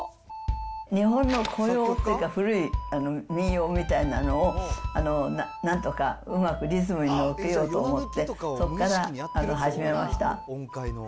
日本の古謡というか、民謡みたいなのを、なんとかうまくリズムに乗っけようと思って、そこから始めました。